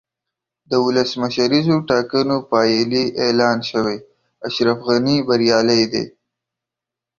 د ولسمشریزو ټاکنو پایلې اعلان شوې، اشرف غني بریالی دی.